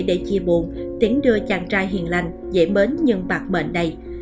để chia buồn tiễn đưa chàng trai hiền lành dễ bến nhưng bạc mệnh đầy